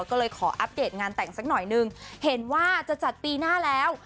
ก็เลยขออัปเดตงานแต่งสักหน่อยนึงเห็นว่าจะจัดปีหน้าแล้ว